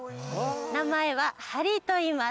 名前はハリーといいます。